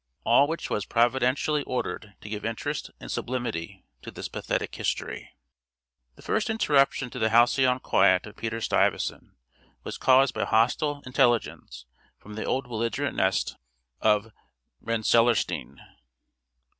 All which was providentially ordered to give interest and sublimity to this pathetic history. The first interruption to the halcyon quiet of Peter Stuyvesant was caused by hostile intelligence from the old belligerent nest of Rensellaersteen.